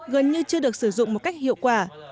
gần như chưa được sử dụng một cách hiệu quả